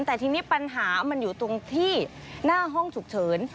แต่ทีนี้ปัญหามันอยู่ตรงที่หน้าห้องฉุกเฉิน